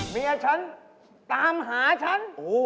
เมียฉันตามหาฉัน